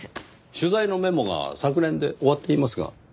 取材のメモが昨年で終わっていますが。